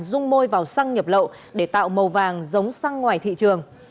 rung môi vào xăng nhập lậu để tạo màu vàng giống xăng ngoài thị trường